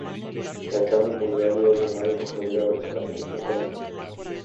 Estando en Bulgaria es llamado por primera vez a la Selección Colombia.